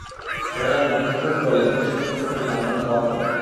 পরে আমরা প্রতিরোধ গড়লে পুলিশ ওদের পক্ষ নিয়ে আমাদের ধাওয়া করে।